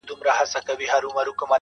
د ژوند په څو لارو كي.